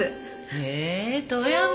へえ富山